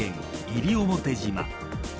西表島。